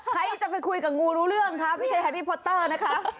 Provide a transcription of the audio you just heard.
ใครจะไปคุยกับงูรู้เรื่องคะไม่ใช่แฮรี่พอตเตอร์นะคะ